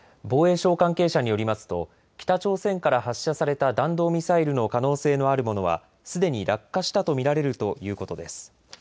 防衛省関係者によりますと北朝鮮から発射された弾道ミサイルの可能性のあるものはすでに落下したと見られるということです。